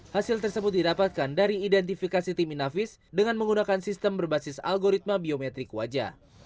hasil tersebut didapatkan dari identifikasi tim inavis dengan menggunakan sistem berbasis algoritma biometrik wajah